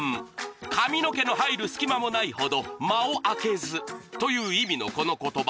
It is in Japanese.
「髪の毛の入る隙間もないほど間を空けず」という意味のこの言葉。